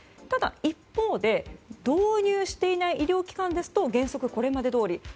ただ、一方で導入していない医療機関ですと原則、これまでどおり。